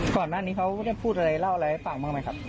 ก่อนหน้านี้เขาได้พูดอะไรเล่าอะไรให้ฟังบ้างไหมครับ